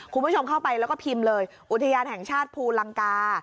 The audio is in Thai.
คุณผู้ชมเข้าไปแล้วก็พิมพ์เลยอุทยานแห่งชาติภูลังกา